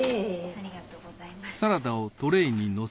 ありがとうございます。